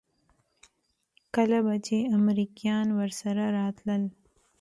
کله به چې امريکايان ورسره راتلل.